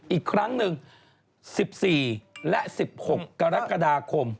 อีกครั้งหนึ่ง๑๔และ๑๖กรกฎาคม